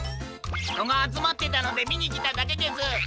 ひとがあつまってたのでみにきただけです。